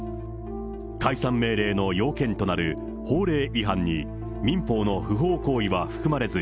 解散命令の要件となる法令違反に民法の不法行為は含まれず、